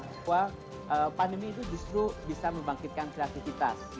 bahwa pandemi itu justru bisa membangkitkan kreativitas